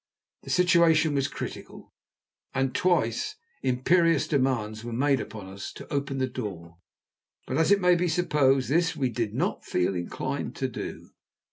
The situation was critical, and twice imperious demands were made upon us to open the door. But, as may be supposed, this we did not feel inclined to do.